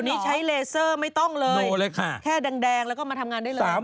อันนี้ใช้เลเซอร์ไม่ต้องเลยแค่แดงแล้วก็มาทำงานได้เลย